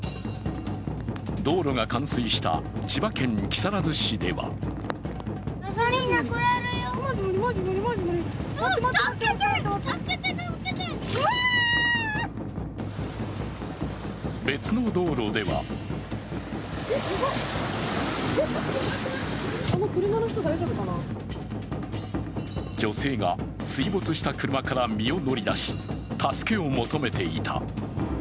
道路が冠水した千葉県木更津市では別の道路では女性が水没した車から身を乗り出し、助けを求めていた。